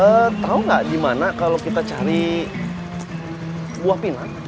eh tau gak gimana kalo kita cari buah pinang